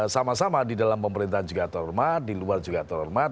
sama sama di dalam pemerintahan juga terhormat di luar juga terhormat